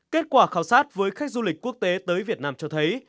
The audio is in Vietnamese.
kết quả khảo sát với khách du lịch quốc tế tới việt nam cho thấy